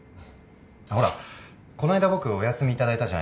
ほらこの間僕お休み頂いたじゃないですか。